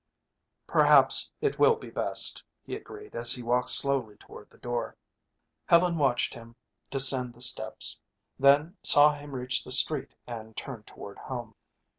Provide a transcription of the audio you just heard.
"Perhaps it will be best," he agreed as he walked slowly toward the door. Helen watched him descend the steps; then saw him reach the street and turn toward home.